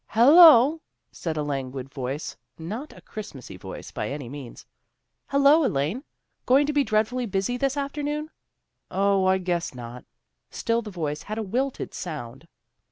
" Hello! " said a languid voice, not a Christ masy voice, by any means. " Hello, Elaine. Going to be dreadfully busy this afternoon? " "0, I guess not." Still the voice had a wilted scund.